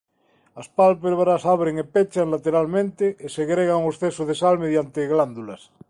As pálpebras abren e pechan lateralmente e segregan o exceso de sal mediante glándulas.